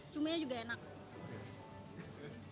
cuminya juga enak